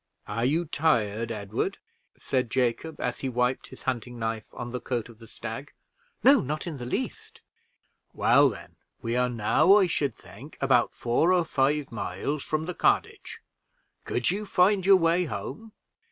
"Are you tired, Edward?" said Jacob, as he wiped his hunting knife on the coat of the stag. "No, not the least." "Well, then, we are now, I should think, about four or five miles from the cottage. Could you find your way home?